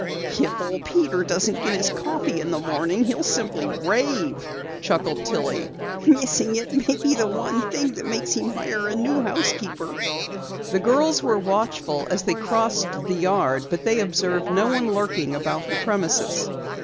"If Old Peter doesn't get his coffee in the morning he'll simply rave," chuckled Tillie. "Missing it may be the one thing which will make him hire a new housekeeper." The girls were watchful as they crossed the yard, but they observed no one lurking about the premises.